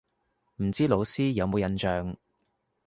唔知老師有冇印象